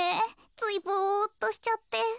ついぼっとしちゃって。